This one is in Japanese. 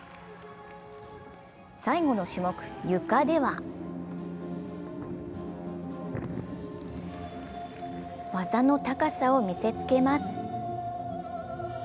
最後の種目、ゆかでは技の高さを見せつけます。